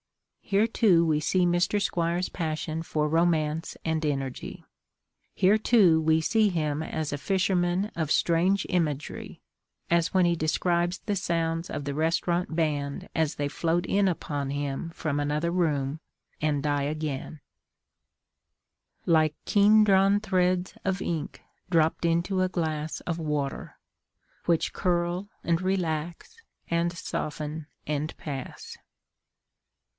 Here, too, we see Mr. Squire's passion for romance and energy. Here, too, we see him as a fisherman of strange imagery, as when he describes the sounds of the restaurant band as they float in upon him from another room and die again: Like keen drawn threads of ink dropped into a glass Of water, which curl and relax and soften and pass.